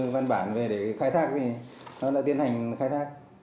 văn bản về để khai thác thì nó đã tiến hành khai thác